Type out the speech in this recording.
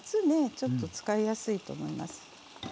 ちょっと使いやすいと思います。